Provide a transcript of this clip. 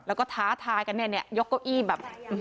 แล้วก็ท้าทายกันเนี่ยยกเก้าอี้แบบ